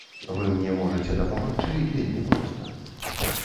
Вы мне можаце дапамагчы вельмі проста.